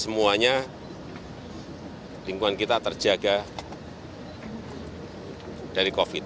semuanya lingkungan kita terjaga dari covid